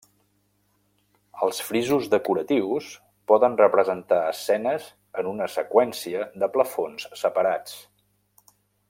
Els frisos decoratius poden representar escenes en una seqüència de plafons separats.